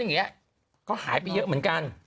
เกือบหายไปเยอะเหมือนการ